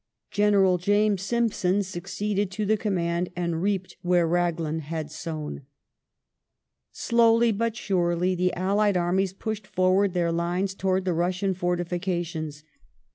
General James Simpson succeeded to the command, €Uid reaped where Raglan had sown. Fall of Slowly but surely the allied armies pushed forward their lines e asto ^Q^,jjj.(jg i\^Q Russian fortifications.